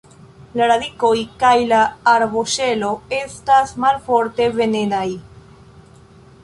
La radikoj kaj la arboŝelo estas malforte venenaj.